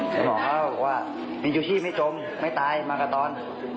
ตันหมอก็ฝากว่ามีชูชีพไม่จมไม่ตายมากาตรอน